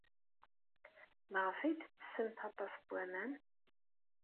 Maɣef ay tettessemt aṭas n waman?